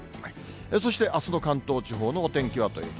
そしてあすの関東地方のお天気はというと。